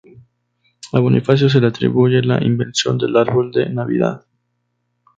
A Bonifacio se le atribuye la invención del árbol de Navidad.